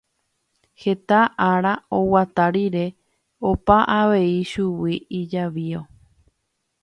Heta ára oguata rire opa avei chugui ijavío.